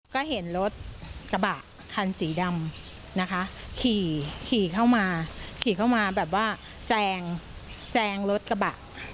ก็เห็นรถกระบะทันสีดำนะคะขี่เข้ามาแบบว่าแซงรถกระบะ